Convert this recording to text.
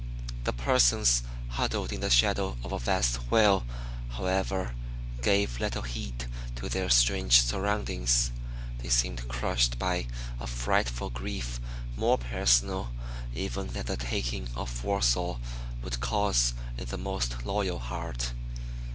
The persons huddled in the shadow of a vast wheel, however, gave little heed to their strange surroundings. They seemed crushed by a frightful grief more personal even than the taking of Warsaw would cause in the most loyal heart.